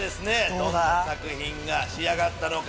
どんな作品が仕上がったのか？